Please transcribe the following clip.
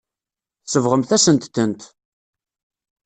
Tsebɣemt-asent-tent.